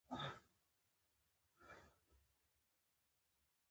نیکه د حلال رزق ارزښت بیانوي.